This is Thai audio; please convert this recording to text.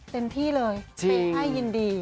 เต็มที่เลยเปย์ให้ยินดี